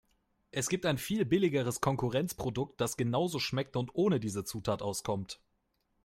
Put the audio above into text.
Es gibt ein viel billigeres Konkurrenzprodukt, das genauso schmeckt und ohne diese Zutat auskommt.